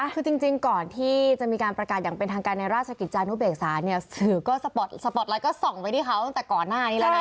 คือจริงก่อนที่จะมีการประกาศอย่างเป็นทางการในราชกิจจานุเบกษาเนี่ยสื่อก็สปอร์ตไลท์ก็ส่องไปที่เขาตั้งแต่ก่อนหน้านี้แล้วนะ